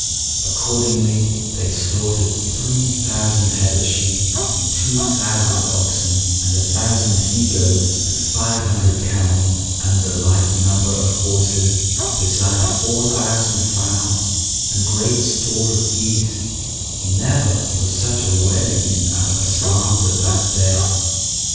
Accordingly they slaughtered three thousand head of sheep and two thousand oxen and a thousand he goats and five hundred camels and the like number of horses, beside four thousand fowls and great store of geese; never was such wedding in Al Islam to that day.